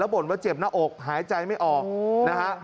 บ่นว่าเจ็บหน้าอกหายใจไม่ออกนะฮะ